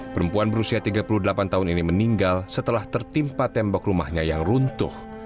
perempuan berusia tiga puluh delapan tahun ini meninggal setelah tertimpa tembok rumahnya yang runtuh